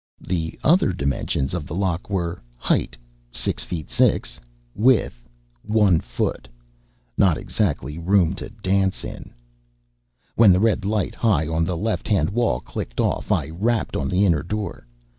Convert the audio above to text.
The other dimensions of the lock were: height, six feet six; width, one foot. Not exactly room to dance in. When the red light high on the left hand wall clicked off, I rapped on the inner door.